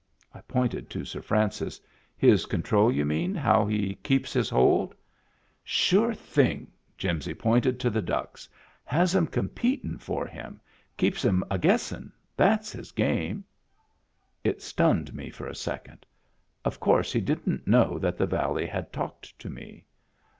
I pointed to Sir Francis. "His control, you mean ?— how he keeps his hold ?" "Sure thing!" Jimsy pointed to the ducks. " Has 'em competin' for him. Keeps 'em a guessing. That's his game." It stunned me for a second. Of course he didn't know that the valley had talked to me.